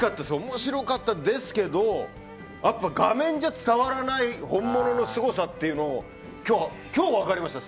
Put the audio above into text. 面白かったんですけど画面じゃ伝わらない本物のすごさっていうのを今日分かりました。